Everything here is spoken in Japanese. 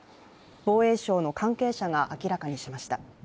防衛省の関係者が明らかにしました。